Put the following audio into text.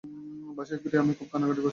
বাসায় ফিরে আমি খুব কান্নাকাটি করছিলাম।